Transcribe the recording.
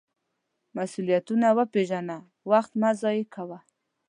مسؤلیتونه وپیژنه، وخت مه ضایغه کوه.